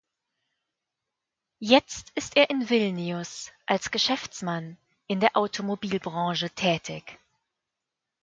Jetzt ist er in Vilnius als Geschäftsmann in der Automobilbranche tätig.